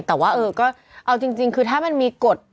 แต่ว่าเออก็เอาจริงคือถ้ามันมีกฎ